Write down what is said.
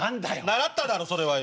習っただろそれはよ。